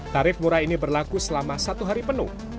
tarif murah ini berlaku selama satu hari penuh